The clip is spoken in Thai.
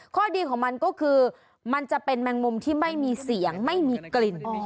ข้อดีของมันก็คือมันจะเป็นแมงมุมที่ไม่มีเสียงไม่มีกลิ่น